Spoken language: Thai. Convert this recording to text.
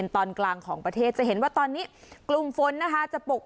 โดยการติดต่อไปก็จะเกิดขึ้นการติดต่อไป